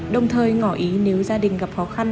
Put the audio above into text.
đồng thời ngỏ ý nếu gia đình gặp khó khăn